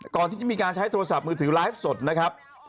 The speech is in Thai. ก่อนที่จะมีการใช้โทรศัพท์มือถือไลฟ์สดนะครับ